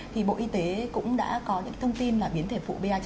thì bộ y tế cũng đã có những thông tin là biến thể phụ ba